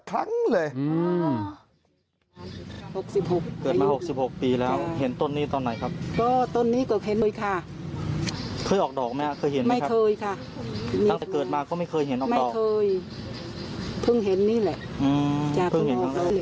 ตั้งแต่เกิดมาก็ไม่เคยเห็นออกดอกไม่เคยเพิ่งเห็นนี่แหละอืม